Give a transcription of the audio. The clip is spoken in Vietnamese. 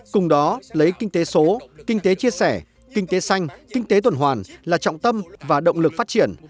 cùng đó lấy kinh tế số kinh tế chia sẻ kinh tế xanh kinh tế tuần hoàn là trọng tâm và động lực phát triển